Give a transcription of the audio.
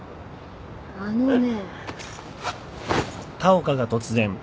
あのね。